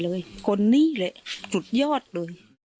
เลยคนนี้เลยสุดยอดเลย